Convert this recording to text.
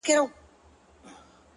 ه ياره ځوانيمرگ شې مړ شې لولپه شې _